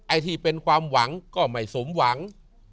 ไอ้ที่เป็นความหวังก็ไม่สมหวัง